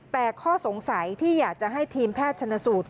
แต่ข้อสงสัยที่อยากจะให้ทีมแพทย์ชนสูตร